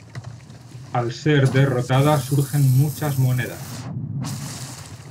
Al ser derrotada surgen muchas monedas.